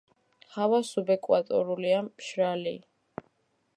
ჰავა სუბეკვატორულია, მშრალი.